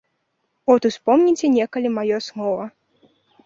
От успомніце некалі маё слова.